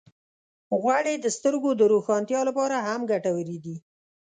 غوړې د سترګو د روښانتیا لپاره هم ګټورې دي.